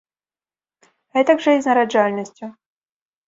Гэтак жа і з нараджальнасцю.